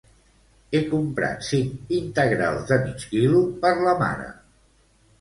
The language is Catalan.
He comprat cinc integrals de mig quilo per la mare